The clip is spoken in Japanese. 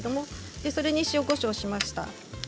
それに塩、こしょうをしました。